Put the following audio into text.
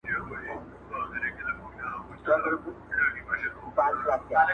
• کله کله او حتی اکثر وختونه -